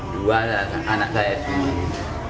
dua lah anak saya sendiri